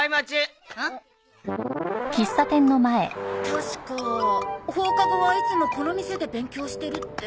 確か放課後はいつもこの店で勉強してるって。